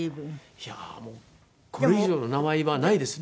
いやもうこれ以上の名前はないですね。